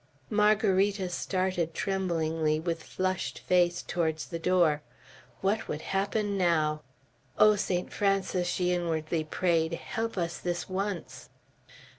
Margarita started tremblingly, with flushed face, towards the door. What would happen now! "O Saint Francis," she inwardly prayed, "help us this once!"